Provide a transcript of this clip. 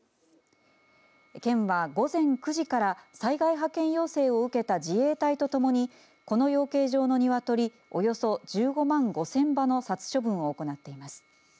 県は午前９時から災害派遣要請を受けた自衛隊とともにこの養鶏場のニワトリおよそ１５万５０００羽の殺処分を行っています。